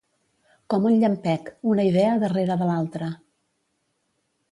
Com un llampec, una idea darrere de l'altra.